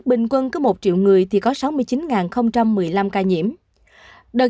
bình phước hai bốn trăm ba mươi sáu